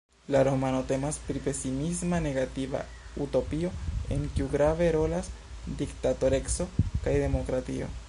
La romano temas pri pesismisma negativa utopio en kiu grave rolas diktatoreco kaj demokratio.